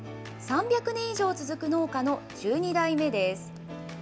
３００年以上続く農家の１２代目です。